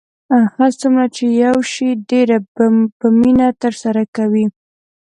هر څومره چې یو شی ډیر په مینه ترسره کوئ